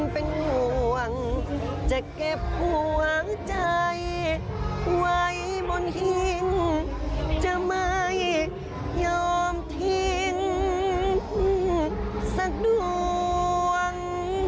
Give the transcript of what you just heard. เป็นห่วงจะเก็บห่วงใจไว้บนหินจะไม่ยอมทิ้งสักดวง